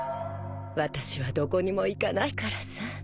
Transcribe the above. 私はどこにも行かないからさ。